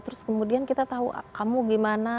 terus kemudian kita tahu kamu gimana